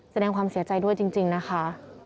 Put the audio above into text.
แสดงความเสียใจด้วยจริงนะคะ